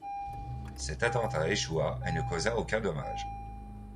Cet attentat échoua et ne causa aucun dommage.